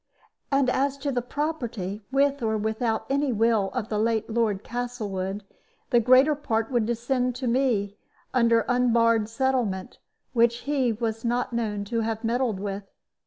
And as to the property, with or without any will of the late Lord Castlewood, the greater part would descend to me under unbarred settlement, which he was not known to have meddled with.